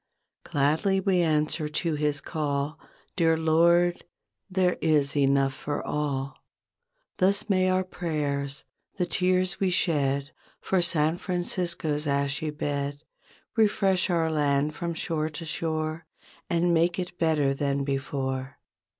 Gladly we answer to His call ''Dear Lord, there is enough for all." Thus may our prayers, the tears we shed For San Francisco's ashy bed Refresh our land from shore to shore And make it better than before.